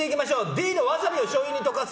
Ｄのワサビをしょうゆに溶かす。